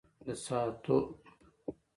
د تعصب کنده مه کیندئ.